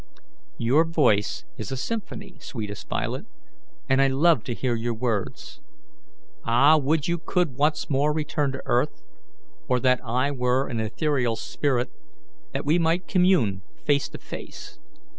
"Your voice is a symphony, sweetest Violet, and I love to hear your words. Ah, would you could once more return to earth, or that I were an ethereal spirit, that we might commune face to face!